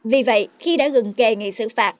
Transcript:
vì vậy khi đã gần kề nghị xử phạt